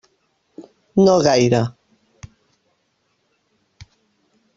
No gaire.